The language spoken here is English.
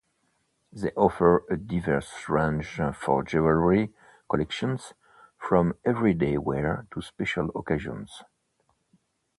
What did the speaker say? They offer a diverse range of jewelry collections, from everyday wear to special occasions.